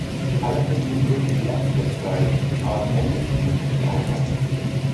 Alle finden Linguistic Landscapes geil, aber am Ende ist es mir zu viel Aufwand.